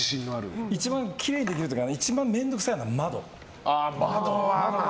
一番きれいにできるというか一番面倒くさいのは窓。